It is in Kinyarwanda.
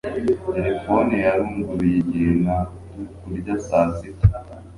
Terefone yaranguruye igihe nari kurya saa sita